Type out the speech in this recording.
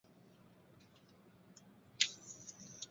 在澳大拉西亚主要分布于北部的半干旱地带。